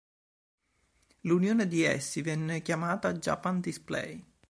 L'unione di essi venne chiamata Japan Display.